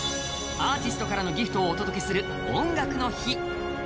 アーティストからのギフトをお届けする「音楽の日」